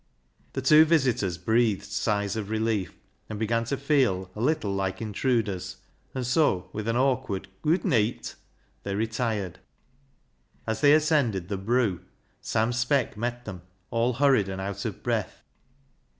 The two visitors breathed sighs of relief, and began to feel a little like intruders, and so, with an awkward " Gooid neet," they retired. As they ascended the " broo," Sam Speck met them, all hurried and out of breath.